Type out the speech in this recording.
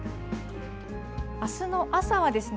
あすの朝はですね